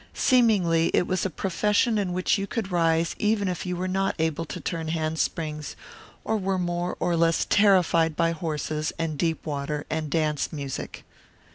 Seemingly it was a profession in which you could rise even if you were not able to turn hand springs or were more or less terrified by horses and deep water and dance music.